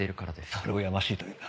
それをやましいと言うんだ。